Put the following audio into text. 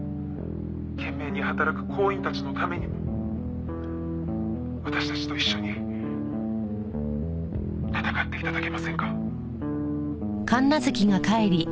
懸命に働く行員たちのためにも私たちと一緒に闘って頂けませんか？」